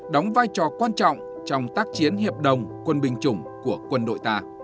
đóng vai trò quan trọng trong tác chiến hiệp đồng quân binh chủng của quân đội ta